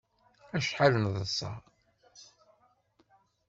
Acḥal neḍsa!